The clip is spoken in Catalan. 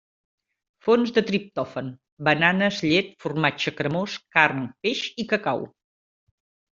Fonts de triptòfan: bananes, llet, formatge cremós, carn, peix i cacau.